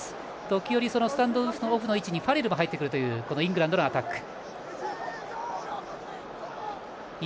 時折スタンドオフの位置にファレルも入ってくるイングランドのアタック。